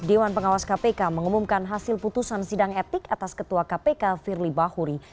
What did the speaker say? dewan pengawas kpk mengumumkan hasil putusan sidang etik atas ketua kpk firly bahuri